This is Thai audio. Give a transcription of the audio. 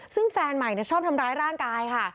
ซึ่งแฟนใหม่ชอบทำร้ายร่างกายค่ะ